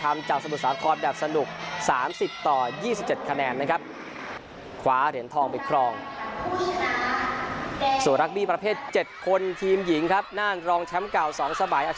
อาชญาประทุมครับ